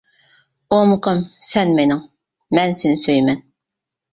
ئومىقىم سەن مېنىڭ مەن سېنى سۆيىمەن.